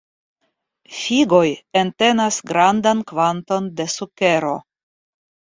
Figoj entenas grandan kvanton de sukero.